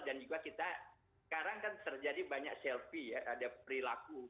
dan juga kita sekarang kan terjadi banyak selfie ya ada perilaku